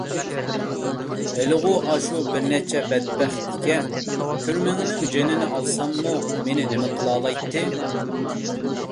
ھېلىغۇ ئاشۇ بىرنەچچە بەتبەخت ئىكەن، كۈرمىڭىنىڭ جېنىنى ئالساممۇ مېنى نېمە قىلالايتتى؟